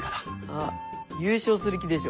あっ優勝する気でしょ。